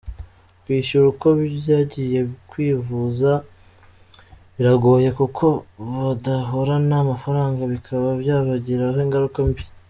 Kwishyura uko bagiye kwivuza biragoye kuko badahorana amafaranga bikaba byabagiraho ingaruka mbi.